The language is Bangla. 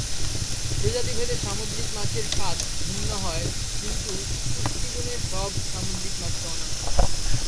প্রজাতি ভেদে সামুদ্রিক মাছের স্বাদ ভিন্ন হয় কিন্তু পুষ্টিগুণে সব সামুদ্রিক মাছই অনন্য।